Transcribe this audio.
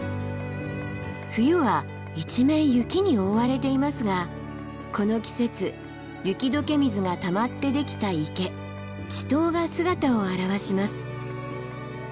冬は一面雪に覆われていますがこの季節雪解け水がたまってできた池池塘が姿を現します。